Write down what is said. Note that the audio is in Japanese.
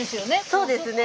そうですね。